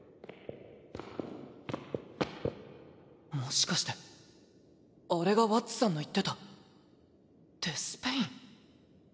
もしかしてあれがワッツさんの言ってたデスペイン？